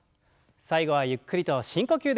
最後はゆっくりと深呼吸です。